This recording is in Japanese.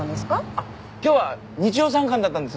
あっ今日は日曜参観だったんです。